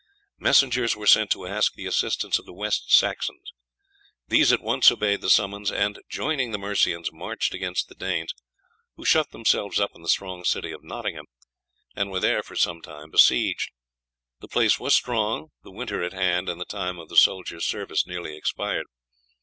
Messengers were sent to ask the assistance of the West Saxons. These at once obeyed the summons, and, joining the Mercians, marched against the Danes, who shut themselves up in the strong city of Nottingham, and were there for some time besieged. The place was strong, the winter at hand, and the time of the soldiers' service nearly expired.